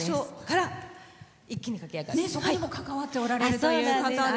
そこに関わっておられる方で。